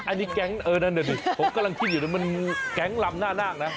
อันนี้แก๊งเออนั่นผมกำลังกินอยู่แล้วมันแก๊งหล่ำหน้านะ